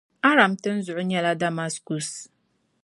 Aram tinzuɣu nyɛla Damaskus.